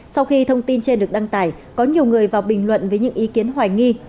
sau khi thông tin trên được đăng tải có nhiều người vào bình luận với những ý kiến hoài nghi